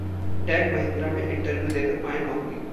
Tech Mahindra में interview देकर पाएं नौकरी